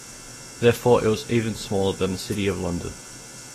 Therefore, it was even smaller than the City of London.